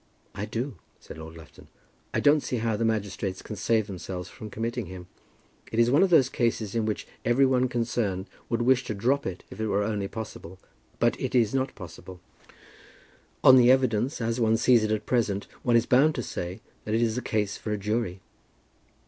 "I do," said Lord Lufton. "I don't see how the magistrates can save themselves from committing him. It is one of those cases in which every one concerned would wish to drop it if it were only possible. But it is not possible. On the evidence, as one sees it at present, one is bound to say that it is a case for a jury."